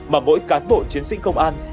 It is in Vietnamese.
mà mỗi cán bộ chiến sĩ công an